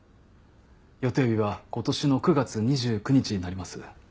予定日は今年の９月２９日になります。